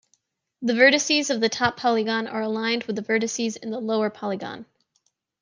The vertices of the top polygon are aligned with vertices in the lower polygon.